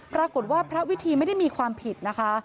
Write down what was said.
ปรากฏว่าพระวิธีไม่ได้มีความผิดนะคะ